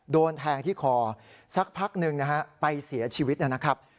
โดนแทงที่คอสักพักหนึ่งนะฮะไปเสียชีวิตนะครับ